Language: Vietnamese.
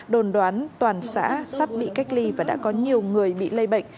đồn đoán toàn xã sắp bị cách ly và đã có nhiều người bị lây bệnh